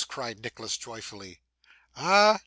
cried Nicholas joyfully 'Ah!